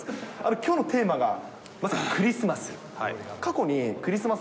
きょうのテーマがまさにクリスマス。